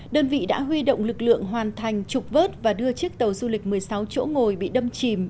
đơn vị đã huy động lực lượng hoàn thành trục vớt và đưa chiếc tàu du lịch một mươi sáu chỗ ngồi bị đâm chìm